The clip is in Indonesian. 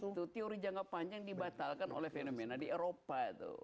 karena itu teori jangka panjang dibatalkan oleh fenomena di eropa